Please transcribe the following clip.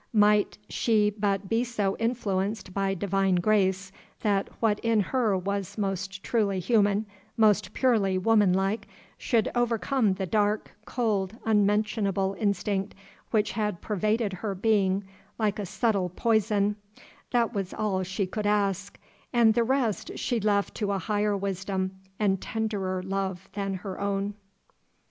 Might she but be so influenced by divine grace, that what in her was most truly human, most purely woman like, should overcome the dark, cold, unmentionable instinct which had pervaded her being like a subtile poison that was all she could ask, and the rest she left to a higher wisdom and tenderer love than her own.